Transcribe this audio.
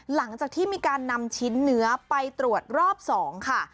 หลังจากที่มีการนำชิ้นเนื้อไปตรวจรอบ๒ค่ะ